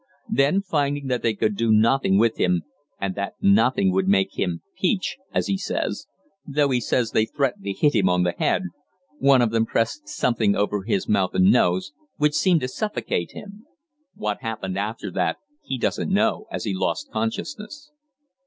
Then, finding that they could do nothing with him, and that nothing would make him 'peach,' as he says though he says they threatened to hit him on the head one of them pressed something over his mouth and nose, which seemed to suffocate him. What happened after that he doesn't know, as he lost consciousness."